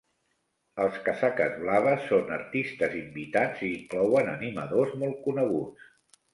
Els Casaques blaves són artistes invitats i inclouen animadors molt coneguts.